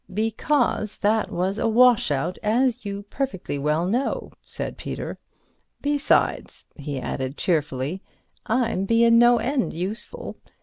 "Because that was a wash out as you perfectly well know," said Peter; "besides," he added cheerfully, "I'm bein' no end useful.